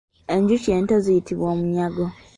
Enjuki ento ziyitibwa omunyago.